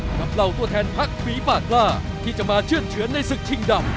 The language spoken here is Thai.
กับเล่าตัวแทนพักฝีฝากล่าที่จะมาเชื่อเชื้อในศึกชิงดำ